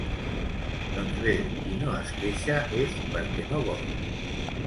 Doncs bé, qui no es queixa és perquè no vol!